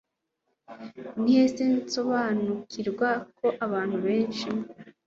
Nahise nsobanukirwa ko abantu benshi